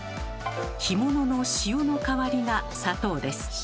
干物の塩の代わりが砂糖です。